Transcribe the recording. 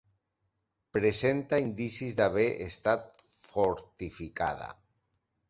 Presenta indicis d'haver estat fortificada.